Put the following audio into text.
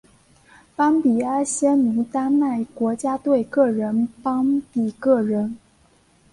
邦比阿仙奴丹麦国家队个人邦比个人